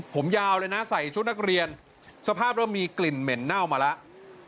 ผมยาวเลยนะใส่ชุดนักเรียนสภาพเริ่มมีกลิ่นเหม็นเน่ามาแล้ว